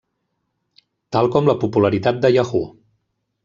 Tal com la popularitat de Yahoo!